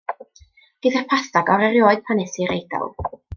Ges i'r pasta gora 'rioed pan es i i'r Eidal.